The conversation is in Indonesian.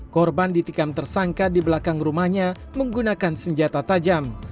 korban ditikam tersangka di belakang rumahnya menggunakan senjata tajam